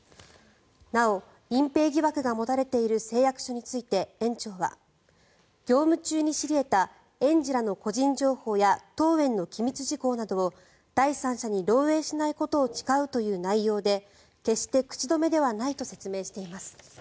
なお、隠ぺい疑惑が持たれている誓約書について園長は業務中に知り得た園児らの個人情報や当園の機密事項などを第三者に漏えいしないことを誓うという内容で決して口止めではないと説明しています。